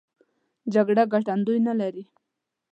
جګړه ګټندوی نه لري.